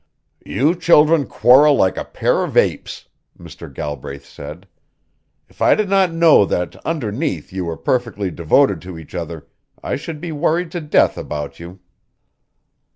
"You children quarrel like a pair of apes," Mr. Galbraith said. "If I did not know that underneath you were perfectly devoted to each other, I should be worried to death about you."